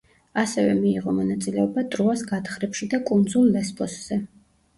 ასევე მიიღო მონაწილეობა ტროას გათხრებში და კუნძულ ლესბოსზე.